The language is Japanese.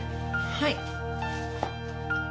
はい。